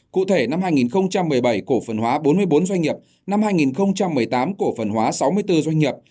cụ thể năm hai nghìn một mươi bảy cổ phần hóa bốn mươi bốn doanh nghiệp năm hai nghìn một mươi tám cổ phần hóa sáu mươi bốn doanh nghiệp